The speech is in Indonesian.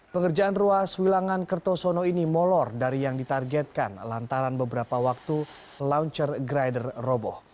pengerjaan ruas wilangan kertosono ini molor dari yang ditargetkan lantaran beberapa waktu launcher grider roboh